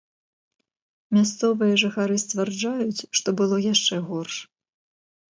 Мясцовыя жыхары сцвярджаюць, што было яшчэ горш.